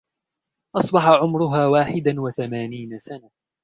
أصبح عمرها واحداً و ثمانين سنة.